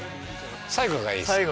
最後がいいです。